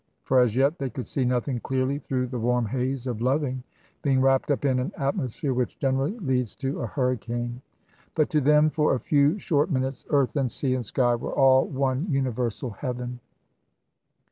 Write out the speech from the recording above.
For as yet they could see nothing clearly through the warm haze of loving, being wrapped up in an atmosphere which generally leads to a hurricane. But to them, for a few short minutes, earth and sea and sky were all one universal heaven.